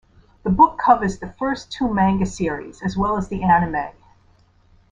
The book covers the first two manga series as well as the anime.